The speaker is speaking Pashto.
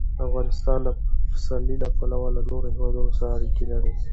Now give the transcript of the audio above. افغانستان د پسرلی له پلوه له نورو هېوادونو سره اړیکې لري.